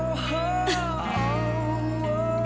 kendi adalah anakku